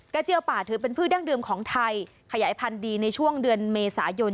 เจียวป่าถือเป็นพืชดั้งเดิมของไทยขยายพันธุ์ดีในช่วงเดือนเมษายน